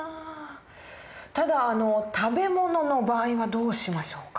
ただ食べ物の場合はどうしましょうか？